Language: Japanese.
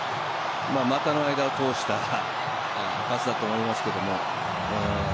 股の間を通したパスだと思いますけど。